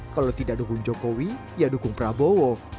kalau tidak dukung jokowi ya dukung prabowo